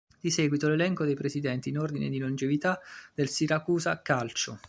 Di seguito l'elenco dei presidenti in ordine di longevità del Siracusa Calcio.